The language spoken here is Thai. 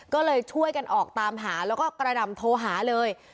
ก็เลยช่วยกันออกตามหาแล้วก็กระดำโทรหาเลย